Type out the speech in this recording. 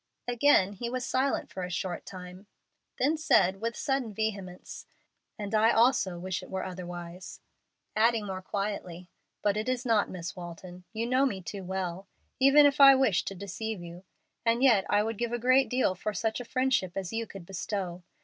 Again he was silent for a short time, then said, with sudden vehemence, "And I also wish it were otherwise"; adding more quietly, "but it is not, Miss Walton. You know me too well, even if I wished to deceive you. And yet I would give a great deal for such a friendship as you could bestow.